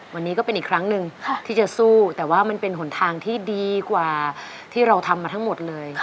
วันนี้ก็เป็นอีกครั้งหนึ่งที่จะสู้แต่ว่ามันเป็นหนทางที่ดีกว่าที่เราทำมาทั้งหมดเลย